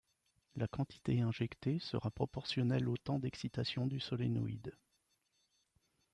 La quantité injectée sera proportionnelle au temps d'excitation du solénoïde.